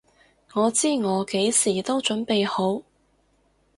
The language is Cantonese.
我知我幾時都準備好！